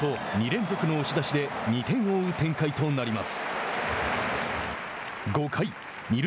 外崎栗山と２連続の押し出しで２点を追う展開となります。